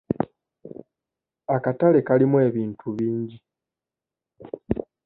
Akatale kalimu ebintu bingi.